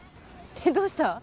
どうした？